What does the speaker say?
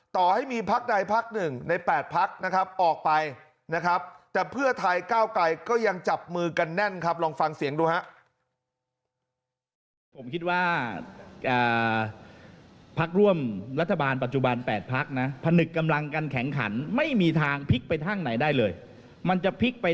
ต่อให้มีพักใดพักหนึ่งในแปดพักนะครับออกไปนะครับ